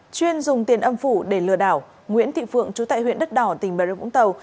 chuyên dùng tiền âm phủ để lừa đảo nguyễn thị phượng chú tại huyện đất đỏ tỉnh bà rơ vũng tàu